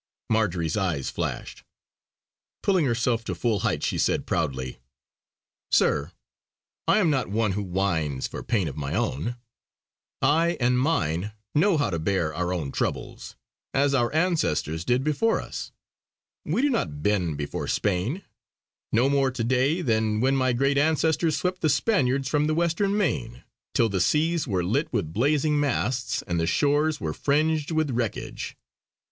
Marjory's eyes flashed; pulling herself to full height she said proudly: "Sir, I am not one who whines for pain of my own. I and mine know how to bear our own troubles, as our ancestors did before us. We do not bend before Spain; no more to day than when my great ancestors swept the Spaniard from the Western Main, till the seas were lit with blazing masts and the shores were fringed with wreckage!